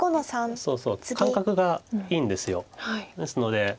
そうそう感覚がいいんです。ですので。